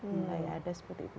mulai ada seperti itu